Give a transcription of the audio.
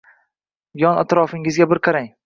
Yon atrofingizga bir qarang.